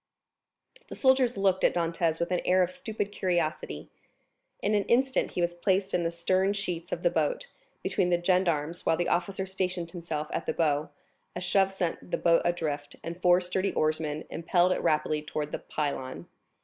The soldiers looked at Dantès with an air of stupid curiosity. In an instant he was placed in the stern sheets of the boat, between the gendarmes, while the officer stationed himself at the bow; a shove sent the boat adrift, and four sturdy oarsmen impelled it rapidly towards the Pilon.